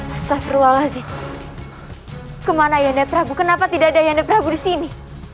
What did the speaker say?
astagfirullahaladzim kemana ayahanda prabu kenapa tidak ada ayahanda prabu di sini